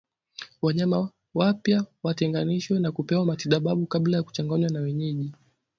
Wanyama wampya watenganishwe na kupewa matibabu kabla ya kuchanganywa na wenyeji